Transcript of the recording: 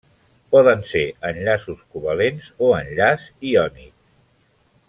Poden ser enllaços covalents o enllaç iònic.